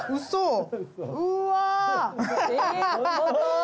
そう。